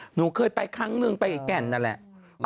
หนูเคยไปครั้งนึงไปไอ้แก่นนั่นแหละ